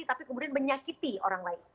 tapi kemudian menyakiti orang lain